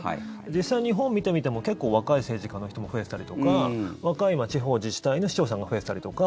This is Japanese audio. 実際に日本を見てみても若い政治家の人も増えてたりとか若い地方自治体の市長さんが増えてたりとか。